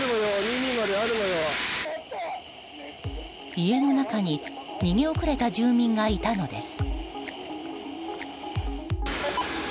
家の中に逃げ遅れた住民がいたのです。